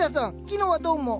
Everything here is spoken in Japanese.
昨日はどうも。